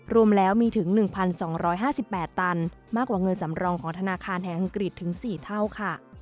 รวมแล้วมีถึง๑๒๕๘ตันมากกว่าเงินสำรองของธนาคารแห่งอังกฤษถึง๔เท่าค่ะ